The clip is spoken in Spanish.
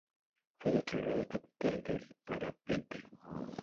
Fue declarada "Capital del Parapente".